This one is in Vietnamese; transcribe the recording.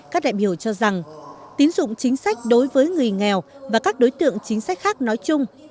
các đại biểu cho rằng tín dụng chính sách đối với người nghèo và các đối tượng chính sách khác nói chung